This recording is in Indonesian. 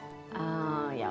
hmm yaudah deh ya